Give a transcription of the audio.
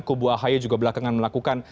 kubu ahy juga belakangan melakukan